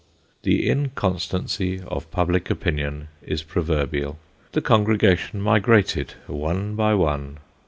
The inconstancy of public opinion is proverbial : the congregation migrated one by one.